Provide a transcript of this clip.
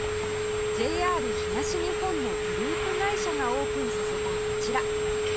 ＪＲ 東日本のグループ会社がオープンさせたこちら